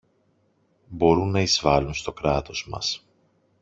μπορούν να εισβάλουν στο Κράτος μας.